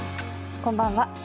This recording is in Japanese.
こんばんは。